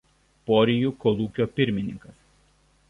Porijų kolūkio pirmininkas.